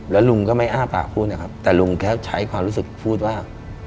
แล้วลุงก็ไม่อ้าปากพูดนะครับแต่ลุงแค่ใช้ความรู้สึกพูดว่า